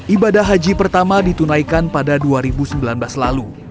ibadah haji pertama ditunaikan pada dua ribu sembilan belas lalu